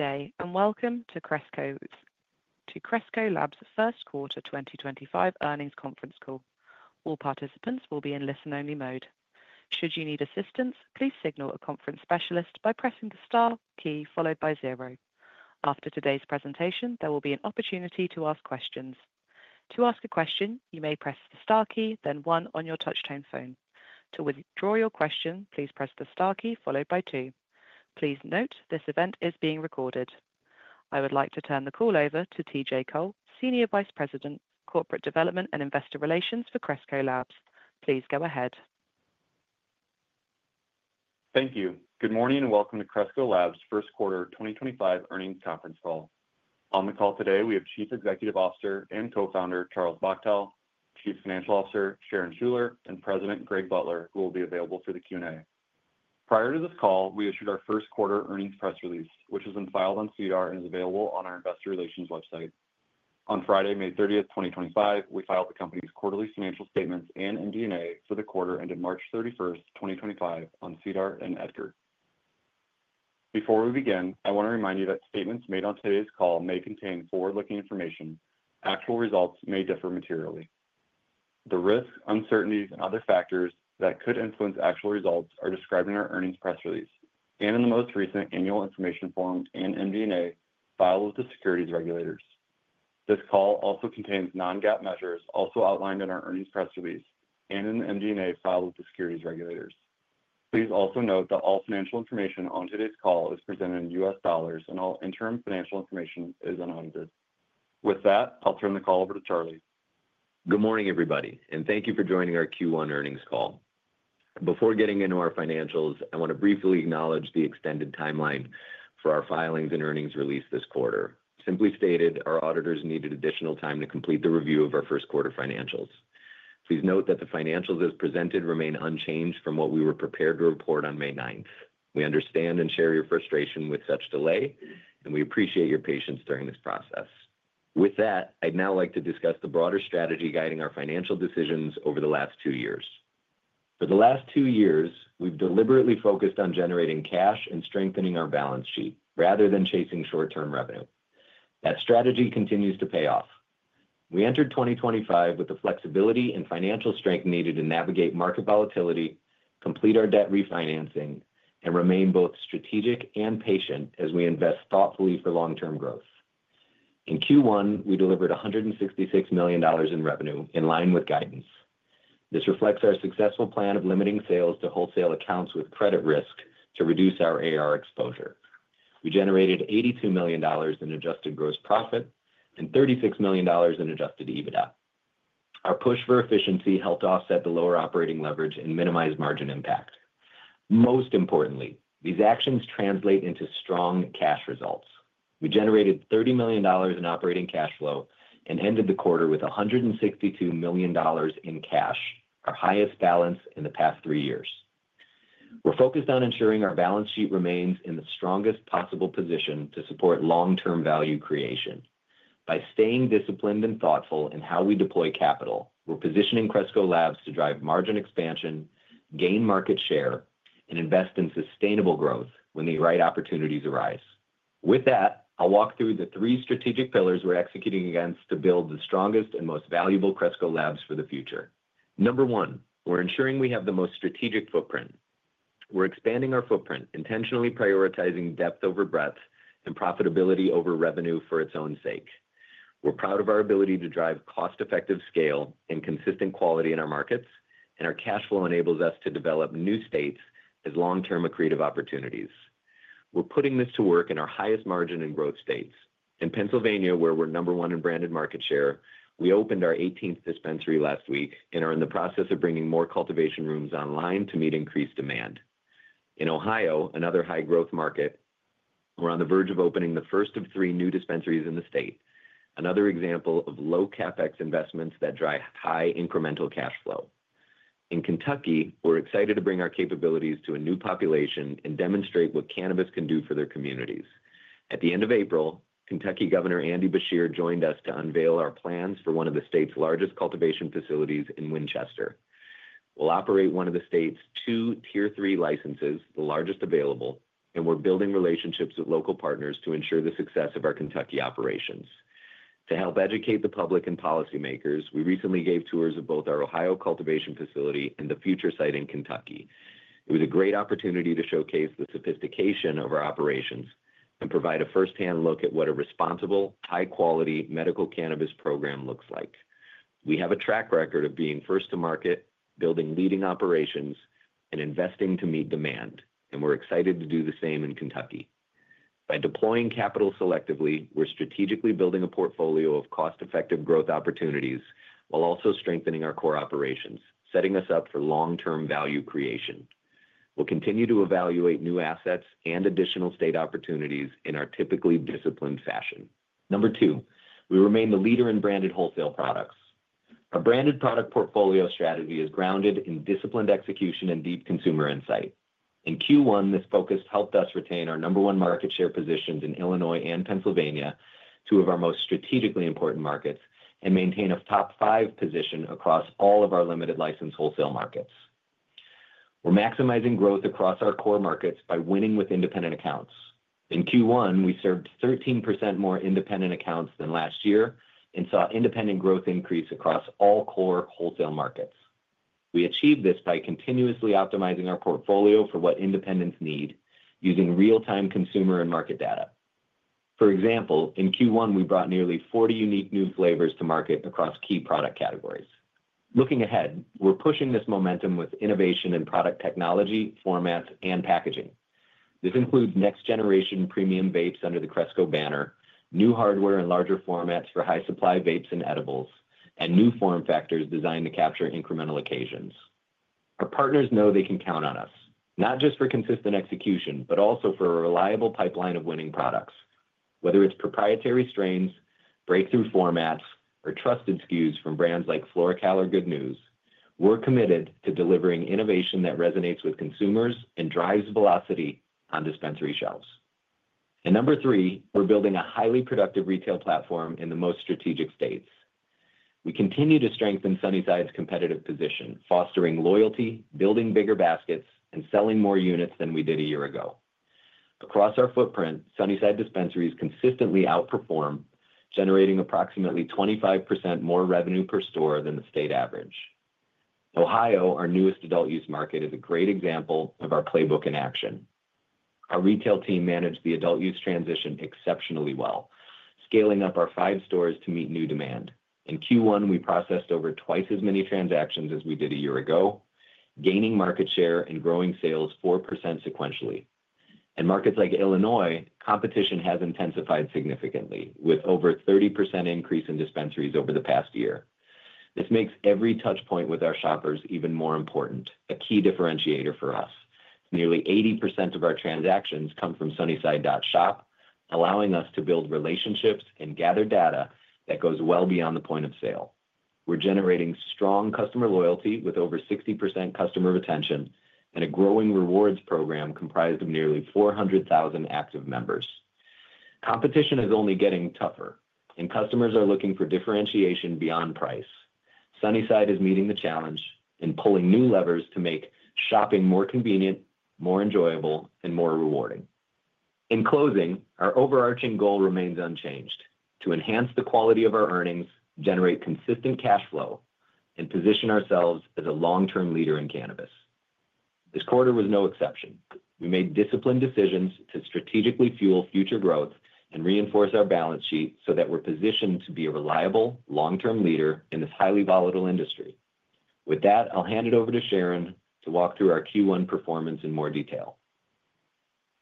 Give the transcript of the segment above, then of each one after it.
Today, and welcome to Cresco Labs' first quarter 2025 earnings Conference Call. All participants will be in listen-only mode. Should you need assistance, please signal a conference specialist by pressing the star key followed by zero. After today's presentation, there will be an opportunity to ask questions. To ask a question, you may press the star key, then one on your touch-tone phone. To withdraw your question, please press the star key followed by two. Please note this event is being recorded. I would like to turn the call over to T. J. Cole, Senior Vice President, Corporate Development and Investor Relations for Cresco Labs. Please go ahead. Thank you. Good morning and welcome to Cresco Labs' first quarter 2025 earnings conference call. On the call today, we have Chief Executive Officer and Co-founder Charlie Bachtell, Chief Financial Officer Sharon Schuler, and President Greg Butler, who will be available for the Q&A. Prior to this call, we issued our first quarter earnings press release, which has been filed on SEDAR and is available on our Investor Relations website. On Friday, May 30th, 2025, we filed the company's quarterly financial statements and MD&A for the quarter ended March 31st, 2025, on SEDAR and EDGAR. Before we begin, I want to remind you that statements made on today's call may contain forward-looking information. Actual results may differ materially. The risks, uncertainties, and other factors that could influence actual results are described in our earnings press release and in the most recent annual information form and MD&A filed with the securities regulators. This call also contains non-GAAP measures also outlined in our earnings press release and in the MD&A filed with the securities regulators. Please also note that all financial information on today's call is presented in U.S. dollars, and all interim financial information is unedited. With that, I'll turn the call over to Charlie. Good morning, everybody, and thank you for joining our Q1 earnings call. Before getting into our financials, I want to briefly acknowledge the extended timeline for our filings and earnings release this quarter. Simply stated, our auditors needed additional time to complete the review of our first quarter financials. Please note that the financials as presented remain unchanged from what we were prepared to report on May 9th. We understand and share your frustration with such delay, and we appreciate your patience during this process. With that, I'd now like to discuss the broader strategy guiding our financial decisions over the last two years. For the last two years, we've deliberately focused on generating cash and strengthening our balance sheet rather than chasing short-term revenue. That strategy continues to pay off. We entered 2025 with the flexibility and financial strength needed to navigate market volatility, complete our debt refinancing, and remain both strategic and patient as we invest thoughtfully for long-term growth. In Q1, we delivered $166 million in revenue in line with guidance. This reflects our successful plan of limiting sales to wholesale accounts with credit risk to reduce our AR exposure. We generated $82 million in adjusted gross profit and $36 million in adjusted EBITDA. Our push for efficiency helped offset the lower operating leverage and minimize margin impact. Most importantly, these actions translate into strong cash results. We generated $30 million in operating cash flow and ended the quarter with $162 million in cash, our highest balance in the past three years. We're focused on ensuring our balance sheet remains in the strongest possible position to support long-term value creation. By staying disciplined and thoughtful in how we deploy capital, we're positioning Cresco Labs to drive margin expansion, gain market share, and invest in sustainable growth when the right opportunities arise. With that, I'll walk through the three strategic pillars we're executing against to build the strongest and most valuable Cresco Labs for the future. Number one, we're ensuring we have the most strategic footprint. We're expanding our footprint, intentionally prioritizing depth over breadth and profitability over revenue for its own sake. We're proud of our ability to drive cost-effective scale and consistent quality in our markets, and our cash flow enables us to develop new states as long-term accretive opportunities. We're putting this to work in our highest margin and growth states. In Pennsylvania, where we're number one in branded market share, we opened our 18th dispensary last week and are in the process of bringing more cultivation rooms online to meet increased demand. In Ohio, another high-growth market, we're on the verge of opening the first of three new dispensaries in the state, another example of low CapEx investments that drive high incremental cash flow. In Kentucky, we're excited to bring our capabilities to a new population and demonstrate what cannabis can do for their communities. At the end of April, Kentucky Governor Andy Beshear joined us to unveil our plans for one of the state's largest cultivation facilities in Winchester. We'll operate one of the state's two Tier III licenses, the largest available, and we're building relationships with local partners to ensure the success of our Kentucky operations. To help educate the public and policymakers, we recently gave tours of both our Ohio cultivation facility and the future site in Kentucky. It was a great opportunity to showcase the sophistication of our operations and provide a firsthand look at what a responsible, high-quality medical cannabis program looks like. We have a track record of being first to market, building leading operations, and investing to meet demand, and we're excited to do the same in Kentucky. By deploying capital selectively, we're strategically building a portfolio of cost-effective growth opportunities while also strengthening our core operations, setting us up for long-term value creation. We'll continue to evaluate new assets and additional state opportunities in our typically disciplined fashion. Number two, we remain the leader in branded wholesale products. Our branded product portfolio strategy is grounded in disciplined execution and deep consumer insight. In Q1, this focus helped us retain our number one market share positions in Illinois and Pennsylvania, two of our most strategically important markets, and maintain a top five position across all of our limited license wholesale markets. We are maximizing growth across our core markets by winning with independent accounts. In Q1, we served 13% more independent accounts than last year and saw independent growth increase across all core wholesale markets. We achieved this by continuously optimizing our portfolio for what independents need using real-time consumer and market data. For example, in Q1, we brought nearly 40 unique new flavors to market across key product categories. Looking ahead, we are pushing this momentum with innovation in product technology, formats, and packaging. This includes next-generation premium vapes under the Cresco banner, new hardware and larger formats for High Supply vapes and edibles, and new form factors designed to capture incremental occasions. Our partners know they can count on us, not just for consistent execution, but also for a reliable pipeline of winning products. Whether it's proprietary strains, breakthrough formats, or trusted SKUs from brands like Floracal or Good News, we're committed to delivering innovation that resonates with consumers and drives velocity on dispensary shelves. Number three, we're building a highly productive retail platform in the most strategic states. We continue to strengthen Sunnyside's competitive position, fostering loyalty, building bigger baskets, and selling more units than we did a year ago. Across our footprint, Sunnyside dispensaries consistently outperform, generating approximately 25% more revenue per store than the state average. Ohio, our newest adult use market, is a great example of our playbook in action. Our retail team managed the adult use transition exceptionally well, scaling up our five stores to meet new demand. In Q1, we processed over twice as many transactions as we did a year ago, gaining market share and growing sales 4% sequentially. In markets like Illinois, competition has intensified significantly, with over a 30% increase in dispensaries over the past year. This makes every touchpoint with our shoppers even more important, a key differentiator for us. Nearly 80% of our transactions come from Sunnyside dot shop, allowing us to build relationships and gather data that goes well beyond the point of sale. We're generating strong customer loyalty with over 60% customer retention and a growing rewards program comprised of nearly 400,000 active members. Competition is only getting tougher, and customers are looking for differentiation beyond price. Sunnyside is meeting the challenge and pulling new levers to make shopping more convenient, more enjoyable, and more rewarding. In closing, our overarching goal remains unchanged: to enhance the quality of our earnings, generate consistent cash flow, and position ourselves as a long-term leader in cannabis. This quarter was no exception. We made disciplined decisions to strategically fuel future growth and reinforce our balance sheet so that we're positioned to be a reliable, long-term leader in this highly volatile industry. With that, I'll hand it over to Sharon to walk through our Q1 performance in more detail.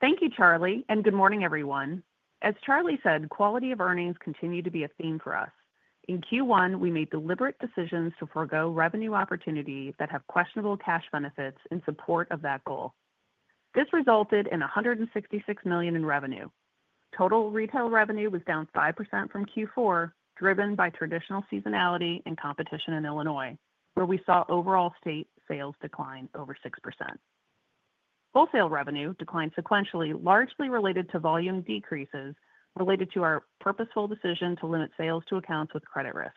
Thank you, Charlie, and good morning, everyone. As Charlie said, quality of earnings continued to be a theme for us. In Q1, we made deliberate decisions to forgo revenue opportunities that have questionable cash benefits in support of that goal. This resulted in $166 million in revenue. Total retail revenue was down 5% from Q4, driven by traditional seasonality and competition in Illinois, where we saw overall state sales decline over 6%. Wholesale revenue declined sequentially, largely related to volume decreases related to our purposeful decision to limit sales to accounts with credit risk.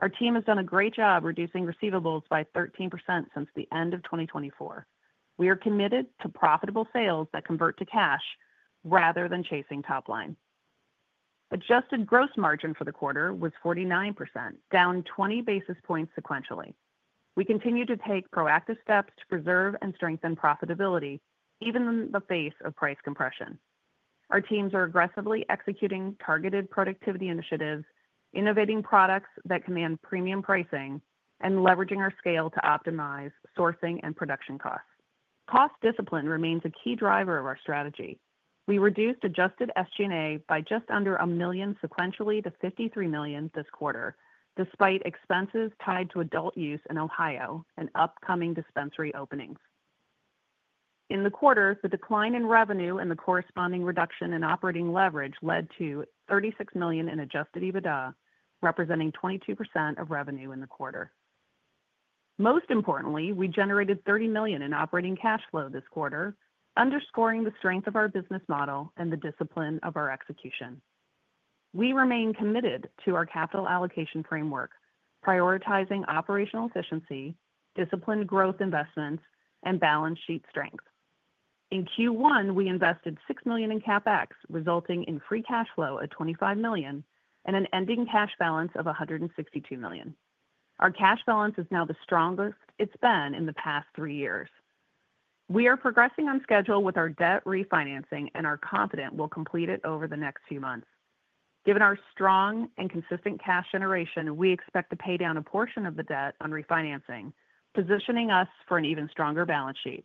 Our team has done a great job reducing receivables by 13% since the end of 2024. We are committed to profitable sales that convert to cash rather than chasing top line. Adjusted gross margin for the quarter was 49%, down 20 basis points sequentially. We continue to take proactive steps to preserve and strengthen profitability, even in the face of price compression. Our teams are aggressively executing targeted productivity initiatives, innovating products that command premium pricing, and leveraging our scale to optimize sourcing and production costs. Cost discipline remains a key driver of our strategy. We reduced adjusted SG&A by just under $1 million sequentially to $53 million this quarter, despite expenses tied to adult use in Ohio and upcoming dispensary openings. In the quarter, the decline in revenue and the corresponding reduction in operating leverage led to $36 million in adjusted EBITDA, representing 22% of revenue in the quarter. Most importantly, we generated $30 million in operating cash flow this quarter, underscoring the strength of our business model and the discipline of our execution. We remain committed to our capital allocation framework, prioritizing operational efficiency, disciplined growth investments, and balance sheet strength. In Q1, we invested $6 million in CapEx, resulting in free cash flow of $25 million and an ending cash balance of $162 million. Our cash balance is now the strongest it has been in the past three years. We are progressing on schedule with our debt refinancing and are confident we will complete it over the next few months. Given our strong and consistent cash generation, we expect to pay down a portion of the debt on refinancing, positioning us for an even stronger balance sheet.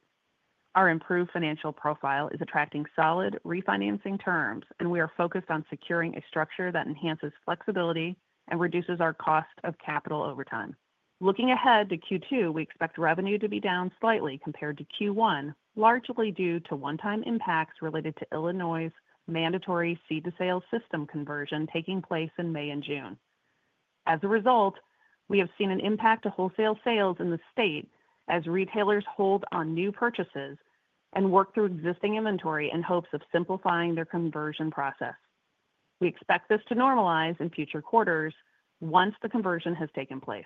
Our improved financial profile is attracting solid refinancing terms, and we are focused on securing a structure that enhances flexibility and reduces our cost of capital over time. Looking ahead to Q2, we expect revenue to be down slightly compared to Q1, largely due to one-time impacts related to Illinois' mandatory seed-to-sale system conversion taking place in May and June. As a result, we have seen an impact to wholesale sales in the state as retailers hold on new purchases and work through existing inventory in hopes of simplifying their conversion process. We expect this to normalize in future quarters once the conversion has taken place.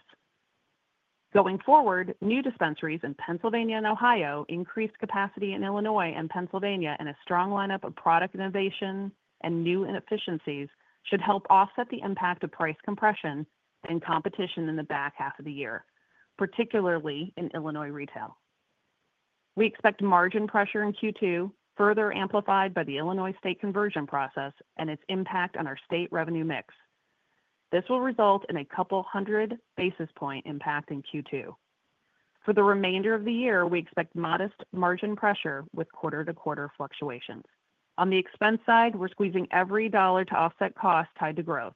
Going forward, new dispensaries in Pennsylvania and Ohio, increased capacity in Illinois and Pennsylvania, and a strong lineup of product innovation and new efficiencies should help offset the impact of price compression and competition in the back half of the year, particularly in Illinois retail. We expect margin pressure in Q2, further amplified by the Illinois state conversion process and its impact on our state revenue mix. This will result in a couple hundred basis point impact in Q2. For the remainder of the year, we expect modest margin pressure with quarter-to-quarter fluctuations. On the expense side, we're squeezing every dollar to offset costs tied to growth,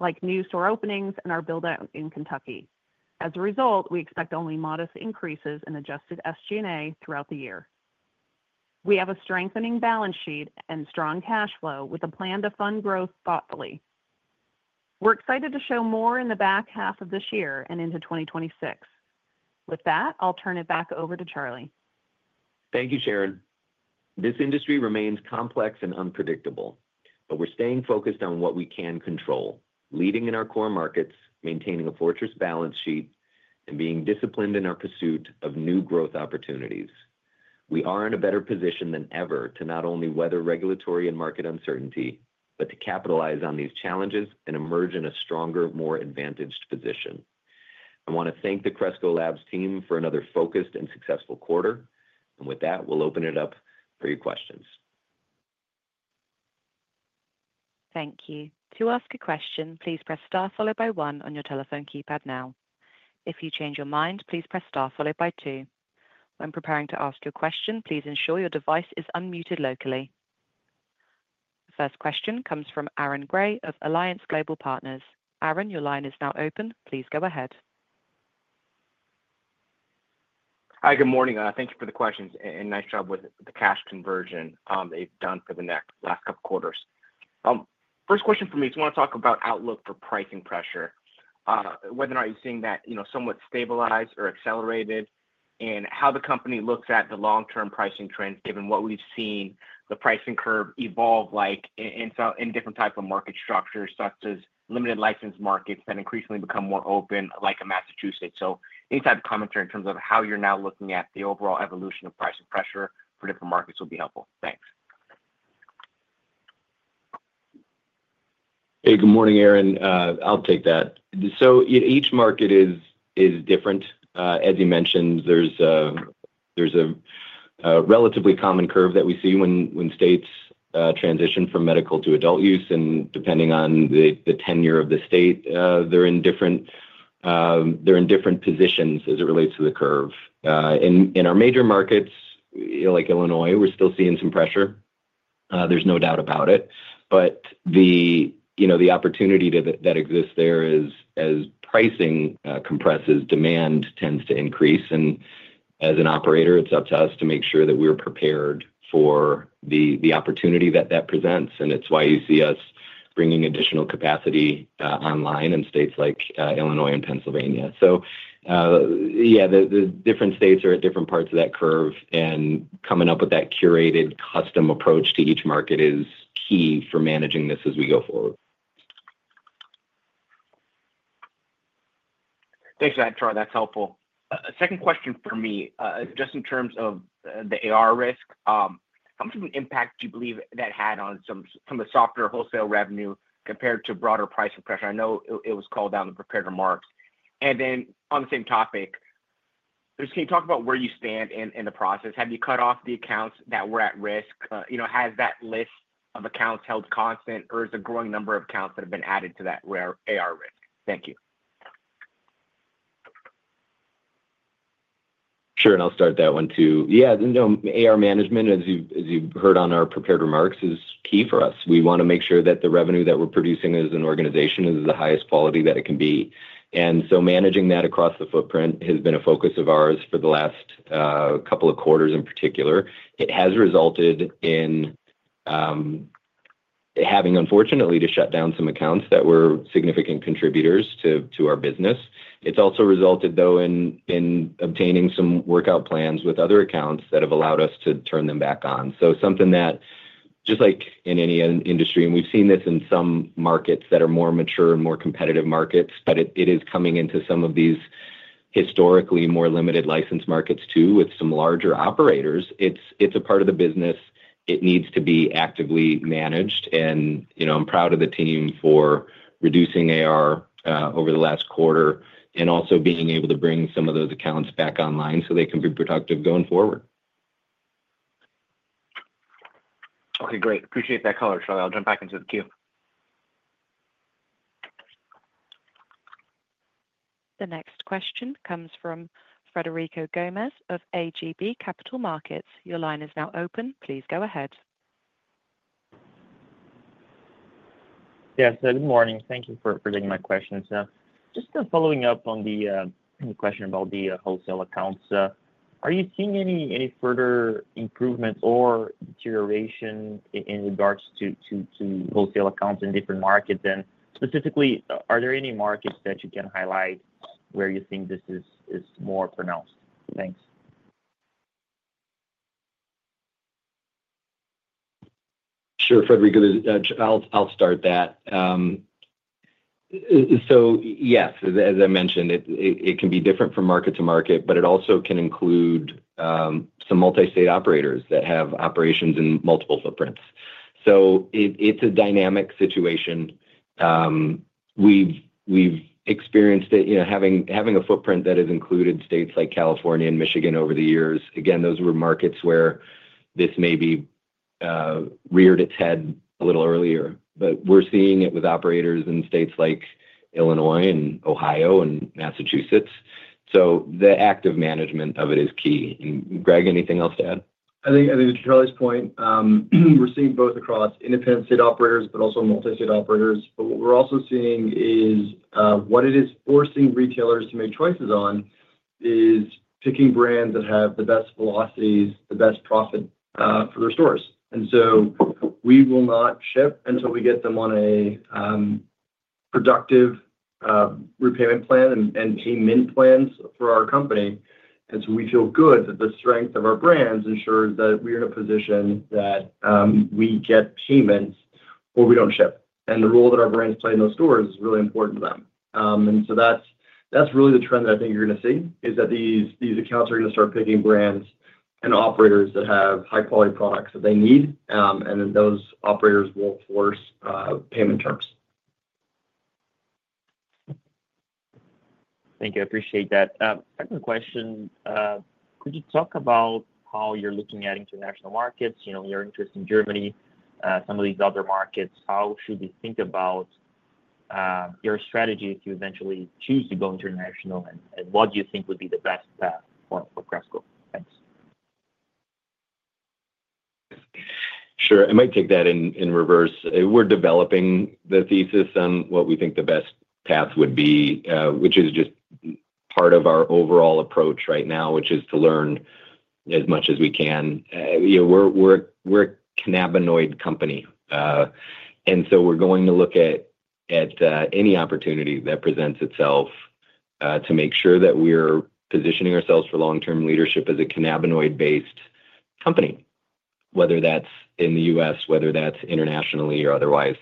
like new store openings and our build-out in Kentucky. As a result, we expect only modest increases in adjusted SG&A throughout the year. We have a strengthening balance sheet and strong cash flow with a plan to fund growth thoughtfully. We're excited to show more in the back half of this year and into 2026. With that, I'll turn it back over to Charlie. Thank you, Sharon. This industry remains complex and unpredictable, but we're staying focused on what we can control, leading in our core markets, maintaining a fortress balance sheet, and being disciplined in our pursuit of new growth opportunities. We are in a better position than ever to not only weather regulatory and market uncertainty, but to capitalize on these challenges and emerge in a stronger, more advantaged position. I want to thank the Cresco Labs team for another focused and successful quarter. With that, we'll open it up for your questions. Thank you. To ask a question, please press star followed by One on your telephone keypad now. If you change your mind, please press star followed by Two. When preparing to ask your question, please ensure your device is unmuted locally. The first question comes from Aaron Gray of Alliance Global Partners. Aaron, your line is now open. Please go ahead. Hi, good morning. Thank you for the questions and nice job with the cash conversion they've done for the last couple of quarters. First question for me is I want to talk about outlook for pricing pressure, whether or not you're seeing that somewhat stabilized or accelerated, and how the company looks at the long-term pricing trends given what we've seen the pricing curve evolve like in different types of market structures, such as limited license markets that increasingly become more open like in Massachusetts. Any type of commentary in terms of how you're now looking at the overall evolution of pricing pressure for different markets would be helpful. Thanks. Hey, good morning, Aaron. I'll take that. Each market is different. As you mentioned, there's a relatively common curve that we see when states transition from medical to adult use. Depending on the tenure of the state, they're in different positions as it relates to the curve. In our major markets, like Illinois, we're still seeing some pressure. There's no doubt about it. The opportunity that exists there is as pricing compresses, demand tends to increase. As an operator, it's up to us to make sure that we're prepared for the opportunity that that presents. It's why you see us bringing additional capacity online in states like Illinois and Pennsylvania. The different states are at different parts of that curve. Coming up with that curated custom approach to each market is key for managing this as we go forward. Thanks for that, Charlie. That's helpful. A second question for me, just in terms of the AR risk, how much of an impact do you believe that had on some of the software wholesale revenue compared to broader pricing pressure? I know it was called out in the prepared remarks. On the same topic, can you talk about where you stand in the process? Have you cut off the accounts that were at risk? Has that list of accounts held constant, or is there a growing number of accounts that have been added to that AR risk? Thank you. Sure, and I'll start that one too. Yeah, AR management, as you've heard on our prepared remarks, is key for us. We want to make sure that the revenue that we're producing as an organization is the highest quality that it can be. Managing that across the footprint has been a focus of ours for the last couple of quarters in particular. It has resulted in having, unfortunately, to shut down some accounts that were significant contributors to our business. It's also resulted, though, in obtaining some workout plans with other accounts that have allowed us to turn them back on. Something that, just like in any industry, and we've seen this in some markets that are more mature and more competitive markets, it is coming into some of these historically more limited license markets too with some larger operators. It's a part of the business. It needs to be actively managed. I'm proud of the team for reducing AR over the last quarter and also being able to bring some of those accounts back online so they can be productive going forward. Okay, great. Appreciate that color, Charlie. I'll jump back into the queue. The next question comes from Federico Gomes of ATB Capital Markets. Your line is now open. Please go ahead. Yes, good morning. Thank you for taking my question. Just following up on the question about the wholesale accounts, are you seeing any further improvement or deterioration in regards to wholesale accounts in different markets? Specifically, are there any markets that you can highlight where you think this is more pronounced? Thanks. Sure, Frederico. I'll start that. Yes, as I mentioned, it can be different from market to market, but it also can include some multi-state operators that have operations in multiple footprints. It is a dynamic situation. We've experienced it having a footprint that has included states like California and Michigan over the years. Again, those were markets where this may be reared its head a little earlier. We're seeing it with operators in states like Illinois and Ohio and Massachusetts. The active management of it is key. Greg, anything else to add? I think to Charlie's point, we're seeing both across independent state operators, but also multi-state operators. What we're also seeing is what it is forcing retailers to make choices on is picking brands that have the best velocities, the best profit for their stores. We will not ship until we get them on a productive repayment plan and payment plans for our company. We feel good that the strength of our brands ensures that we are in a position that we get payments or we do not ship. The role that our brands play in those stores is really important to them. That is really the trend that I think you're going to see is that these accounts are going to start picking brands and operators that have high-quality products that they need, and then those operators will force payment terms. Thank you. I appreciate that. Second question, could you talk about how you're looking at international markets, your interest in Germany, some of these other markets? How should we think about your strategy if you eventually choose to go international, and what do you think would be the best path for Cresco? Thanks. Sure. I might take that in reverse. We're developing the thesis on what we think the best path would be, which is just part of our overall approach right now, which is to learn as much as we can. We're a cannabinoid company. And so we're going to look at any opportunity that presents itself to make sure that we're positioning ourselves for long-term leadership as a cannabinoid-based company, whether that's in the U.S., whether that's internationally or otherwise.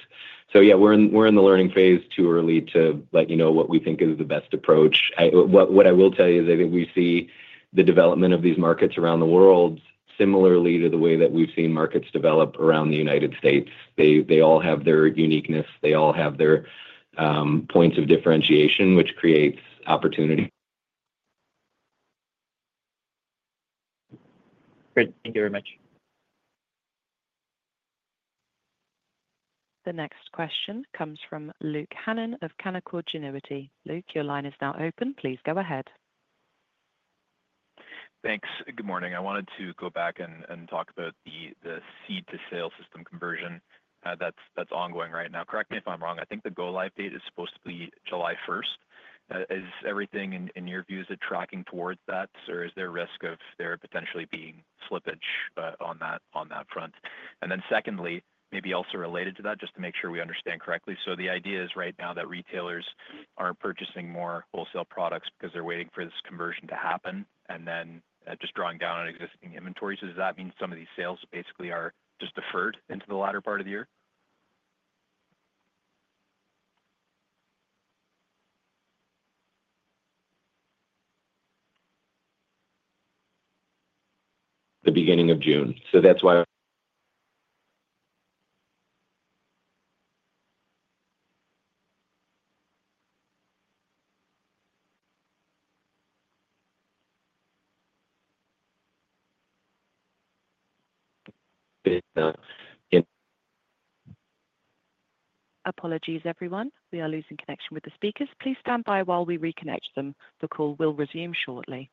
Yeah, we're in the learning phase, too early to let you know what we think is the best approach. What I will tell you is I think we see the development of these markets around the world similarly to the way that we've seen markets develop around the United States. They all have their uniqueness. They all have their points of differentiation, which creates opportunity. Great. Thank you very much. The next question comes from Luke Hannan of Canaccord Genuity. Luke, your line is now open. Please go ahead. Thanks. Good morning. I wanted to go back and talk about the seed-to-sale system conversion that is ongoing right now. Correct me if I am wrong. I think the go-live date is supposed to be July 1. Is everything in your views tracking towards that, or is there a risk of there potentially being slippage on that front? Secondly, maybe also related to that, just to make sure we understand correctly, the idea is right now that retailers are purchasing more wholesale products because they are waiting for this conversion to happen, and then just drawing down on existing inventories. Does that mean some of these sales basically are just deferred into the latter part of the year? The beginning of June. That's why. Apologies, everyone. We are losing connection with the speakers. Please stand by while we reconnect them. The call will resume shortly.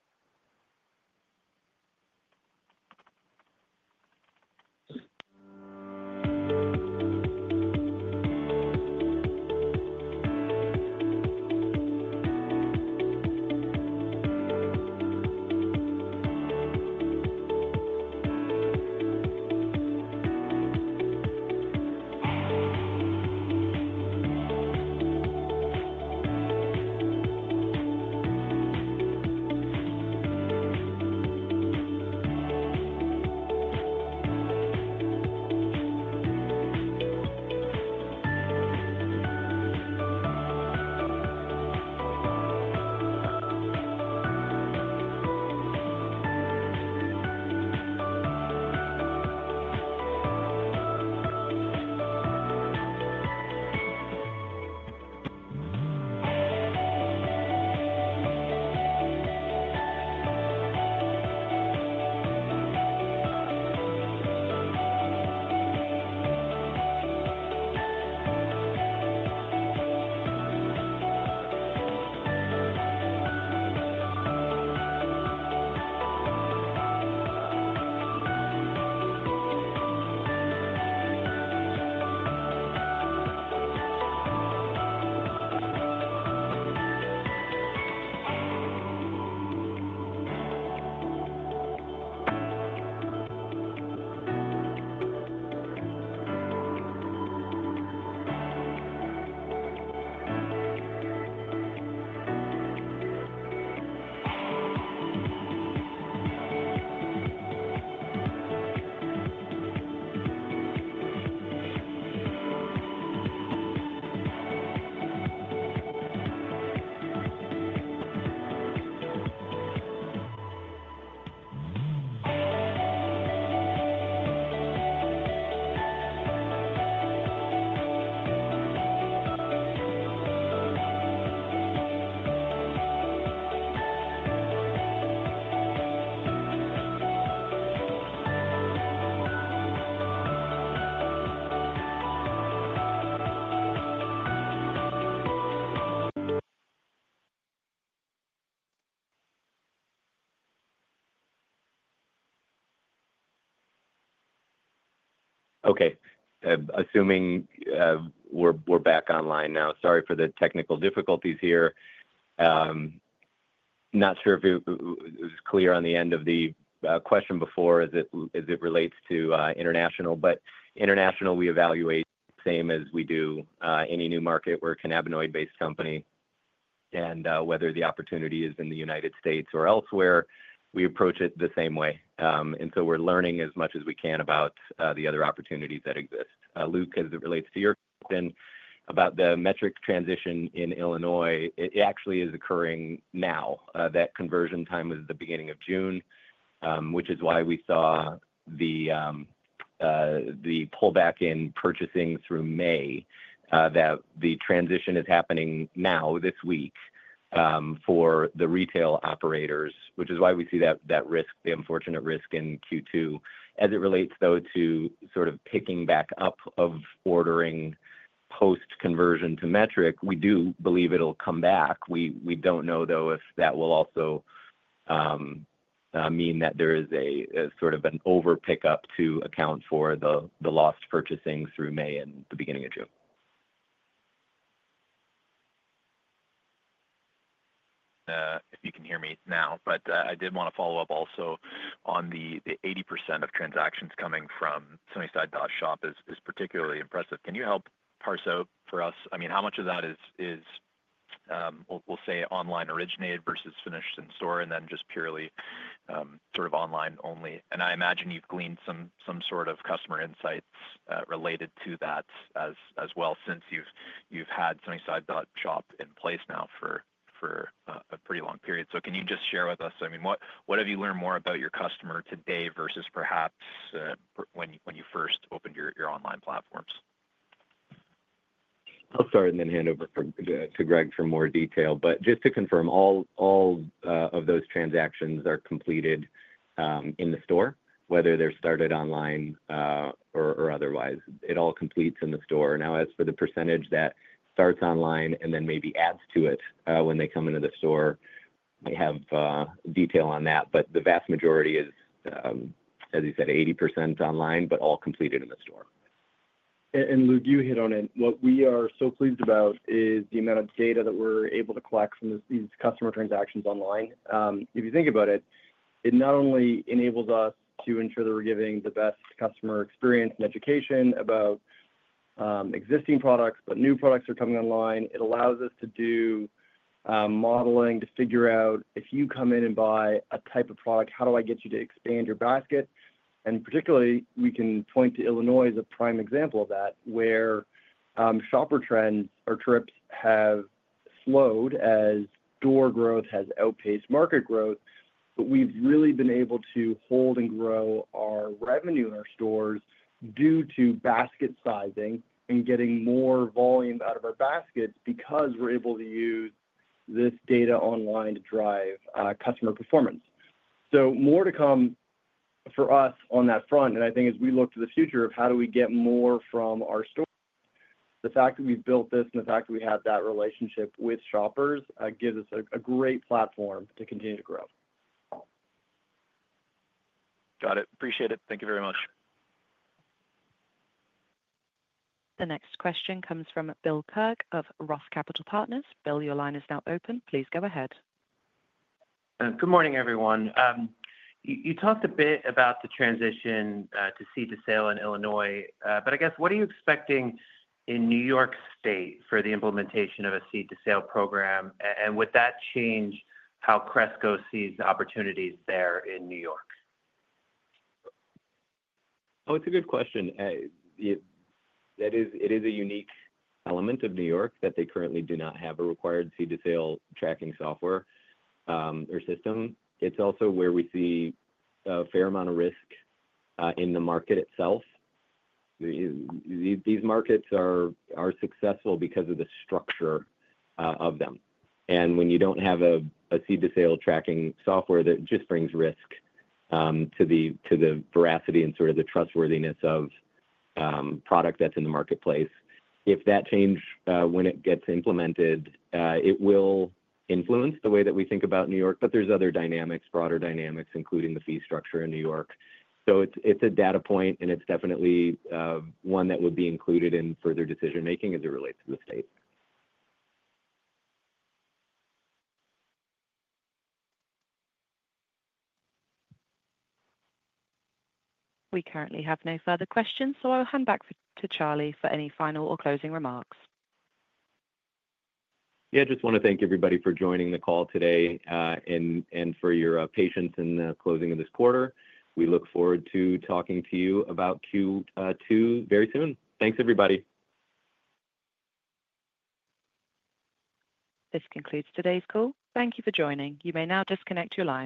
Okay. Assuming we're back online now. Sorry for the technical difficulties here. Not sure if it was clear on the end of the question before as it relates to international. International, we evaluate the same as we do any new market or cannabinoid-based company. Whether the opportunity is in the United States or elsewhere, we approach it the same way. We are learning as much as we can about the other opportunities that exist. Luke, as it relates to your question about the Metrc transition in Illinois, it actually is occurring now. That conversion time was at the beginning of June, which is why we saw the pullback in purchasing through May, that the transition is happening now this week for the retail operators, which is why we see that risk, the unfortunate risk in Q2. As it relates, though, to sort of picking back up of ordering post-conversion to Metrc, we do believe it'll come back. We don't know, though, if that will also mean that there is sort of an overpickup to account for the lost purchasing through May and the beginning of June. If you can hear me now. I did want to follow up also on the 80% of transactions coming from Sunnyside Shop is particularly impressive. Can you help parse out for us? I mean, how much of that is, we'll say, online originated versus finished in store and then just purely sort of online only? I imagine you've gleaned some sort of customer insights related to that as well since you've had Sunnyside Shop in place now for a pretty long period. Can you just share with us, I mean, what have you learned more about your customer today versus perhaps when you first opened your online platforms? I'll start and then hand over to Greg for more detail. Just to confirm, all of those transactions are completed in the store, whether they're started online or otherwise. It all completes in the store. Now, as for the percentage that starts online and then maybe adds to it when they come into the store, I have detail on that. The vast majority is, as you said, 80% online, but all completed in the store. Luke, you hit on it. What we are so pleased about is the amount of data that we're able to collect from these customer transactions online. If you think about it, it not only enables us to ensure that we're giving the best customer experience and education about existing products, but new products are coming online. It allows us to do modeling to figure out if you come in and buy a type of product, how do I get you to expand your basket? Particularly, we can point to Illinois as a prime example of that, where shopper trends or trips have slowed as door growth has outpaced market growth. We have really been able to hold and grow our revenue in our stores due to basket sizing and getting more volume out of our baskets because we're able to use this data online to drive customer performance. More to come for us on that front. I think as we look to the future of how do we get more from our stores, the fact that we've built this and the fact that we have that relationship with shoppers gives us a great platform to continue to grow. Got it. Appreciate it. Thank you very much. The next question comes from Bill Kirk of ROTH Capital Partners. Bill, your line is now open. Please go ahead. Good morning, everyone. You talked a bit about the transition to seed-to-sale in Illinois. I guess, what are you expecting in New York State for the implementation of a seed-to-sale program? With that change, how Cresco sees the opportunities there in New York? Oh, it's a good question. It is a unique element of New York that they currently do not have a required seed-to-sale tracking software or system. It's also where we see a fair amount of risk in the market itself. These markets are successful because of the structure of them. When you don't have a seed-to-sale tracking software, that just brings risk to the veracity and sort of the trustworthiness of product that's in the marketplace. If that change, when it gets implemented, it will influence the way that we think about New York. There are other dynamics, broader dynamics, including the fee structure in New York. It's a data point, and it's definitely one that would be included in further decision-making as it relates to the state. We currently have no further questions, so I'll hand back to Charlie for any final or closing remarks. Yeah, I just want to thank everybody for joining the call today and for your patience in the closing of this quarter. We look forward to talking to you about Q2 very soon. Thanks, everybody. This concludes today's call. Thank you for joining. You may now disconnect your line.